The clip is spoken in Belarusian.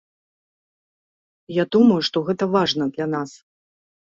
Я думаю, што гэта важна для нас.